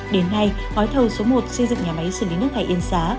đến nay gói thầu số một xây dựng nhà máy xử lý nước thải yên xá